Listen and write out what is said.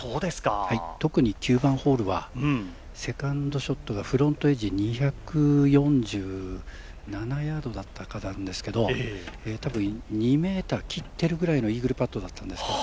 特に９番ホールはセカンドショットが２４７ヤードだったかなんですけど多分、２ｍ切っているぐらいのイーグルパットだったんですね。